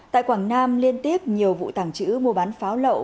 tại quảng nam liên tiếp nhiều vụ tàng trữ mua bán pháo lậu